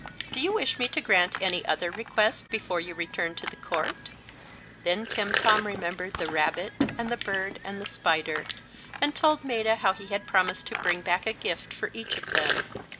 Do you wish me to grant any other request before you return to the court?" Then Timtom remembered the rabbit, and the bird, and the spider, and told Maetta how he had promised to bring back a gift for each of them.